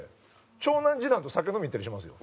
長男次男と酒飲みに行ったりしますよ。